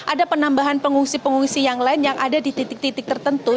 ada penambahan pengungsi pengungsi yang lain yang ada di titik titik tertentu